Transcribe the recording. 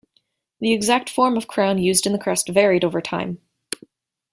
The exact form of crown used in the crest varied over time.